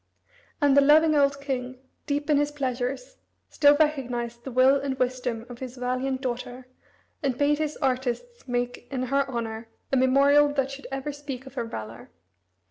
And the loving old king, deep in his pleasures, still recognized the will and wisdom of his valiant daughter, and bade his artists make in her honor a memorial that should ever speak of her valor.